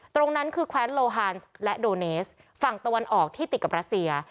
ตรงนั้นคือแควนโลฮานและโดเนสฝั่งตะวันออกที่ติดกับรัสเซีย